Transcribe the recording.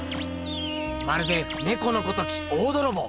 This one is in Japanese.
まるでねこのごとき大どろぼう！